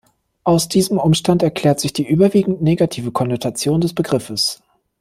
Aus diesem Umstand erklärt sich die überwiegend negative Konnotation des Begriffs.